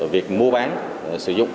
việc mua bán sử dụng